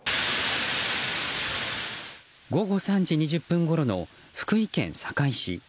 午後３時２０分ごろの福井県坂井市。